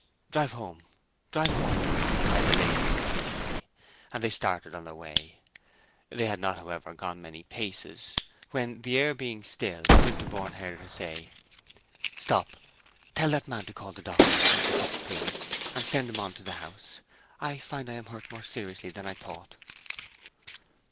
"Drive home—drive home!" cried the lady, impatiently; and they started on their way. They had not, however, gone many paces when, the air being still, Winterborne heard her say "Stop; tell that man to call the doctor—Mr. Fitzpiers—and send him on to the House. I find I am hurt more seriously than I thought."